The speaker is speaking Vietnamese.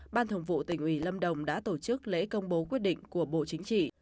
ban thường vụ tỉnh ủy lâm đồng đã tổ chức lễ công bố quyết định của bộ chính trị